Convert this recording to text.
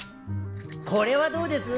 これはどうです？